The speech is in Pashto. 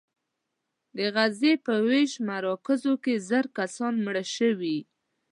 د غزې په ویش مراکزو کې زر کسان مړه شوي.